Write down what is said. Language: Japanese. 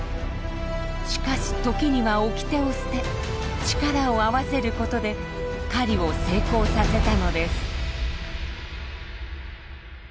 しかし時には掟を捨て力を合わせることで狩りを成功させたのです。